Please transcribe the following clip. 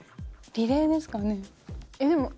「リレー」ですかね。